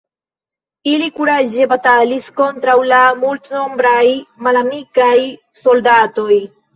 Ili kuraĝe batalis kontraŭ la multnombraj malamikaj soldatoj.